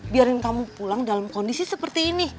biarin kamu pulang dalam kondisi seperti ini